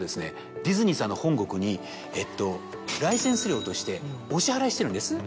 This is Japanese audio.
ディズニーさんの本国にライセンス料としてお支払いしているんです。